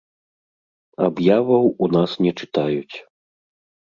Аб'яваў у нас не чытаюць.